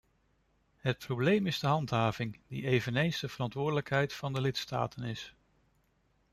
Het probleem is de handhaving, die eveneens de verantwoordelijkheid van de lidstaten is.